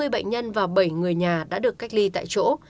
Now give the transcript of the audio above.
hai mươi bệnh nhân và bảy người nhà đã được cách ly tại chỗ